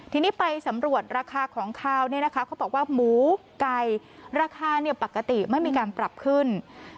ทีนี้ไปสำรวจราคาของขาวเนี่ยนะคะเขาบอกว่าหมูไก่ราคาปกติไม่มีการปรับขึ้น